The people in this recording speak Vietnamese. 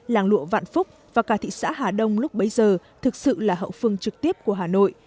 làng lụa vạn phúc và cả thị xã hà đông lúc bấy giờ thực sự là hậu phương trực tiếp của hà nội